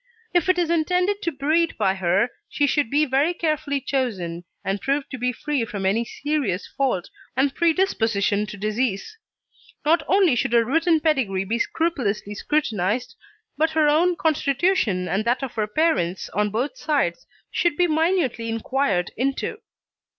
If it is intended to breed by her, she should be very carefully chosen and proved to be free from any serious fault or predisposition to disease. Not only should her written pedigree be scrupulously scrutinised, but her own constitution and that of her parents on both sides should be minutely inquired into.